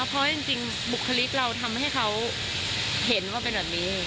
เพราะจริงบุคลิกเราทำให้เขาเห็นว่าเป็นแบบนี้